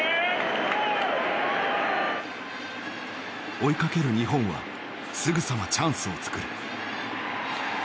追いかける日本はすぐさまチャンスを作る。